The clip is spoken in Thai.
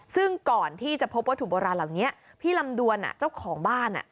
ซึ่งก่อนที่จะพบวัตถุโบราณเหล่านี้พี่ลำดวนเจ้าของบ้าน